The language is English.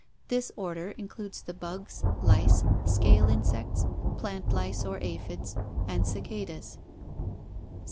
This order includes the bugs, lice, scale insects, plant lice or aphids, and cicadas.